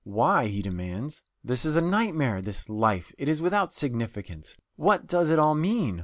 Why? he demands. This is a nightmare, this life! It is without significance! What does it all mean?